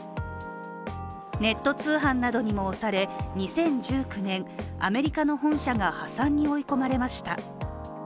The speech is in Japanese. ネット通販などにも押され、２０１９年、アメリカの本社が破産に追い込まれました。